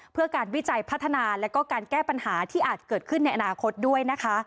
เพื่อการวิจัยพัฒนาแล้วก็การแก้ปัญหาที่อาจเกิดขึ้นในอนาคตด้วยนะคะ